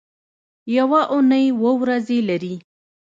یوه اونۍ اووه ورځې لري